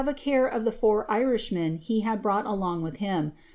a care of the four Irishmen he had brought along with him.